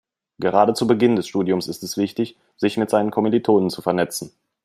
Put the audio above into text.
Gerade zu Beginn des Studiums ist es wichtig, sich mit seinen Kommilitonen zu vernetzen.